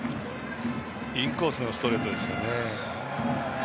インコースのストレートですね。